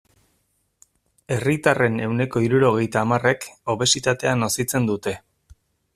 Herritarren ehuneko hirurogeita hamarrek obesitatea nozitzen dute.